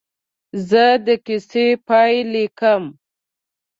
زه د کیسې پاې لیکم.